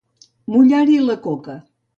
Mullar-hi la coca.